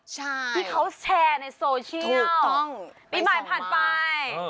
ใช่ที่เขาแชร์ในโซเชียลปีใหม่ผ่านไป